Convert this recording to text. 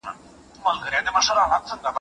میده شکره